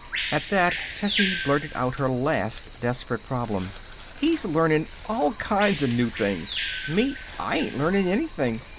At that Tessie blurted her last desperate problem: "He's learning all kind of new things. Me, I ain't learning anything.